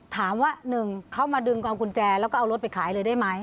ถามว่า๑เข้ามาดึงเอากุญแจแล้วก็เอารถไปขายเลยได้ไหม